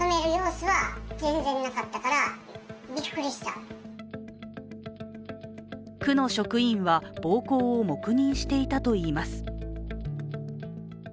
すると区の職員は暴行を黙認していたといいます。